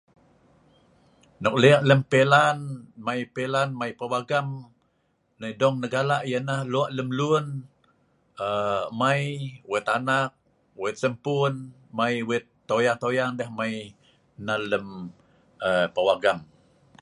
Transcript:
Nok lek ek i lem pea'lan lem alin mei pawagam, dong neh galak yh nah lok lemlun mei wet anak wet sempun mei wet toyang-toyang deh mei nal lem pawagam